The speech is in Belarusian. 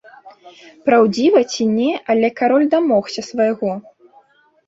Праўдзіва ці не, але кароль дамогся свайго.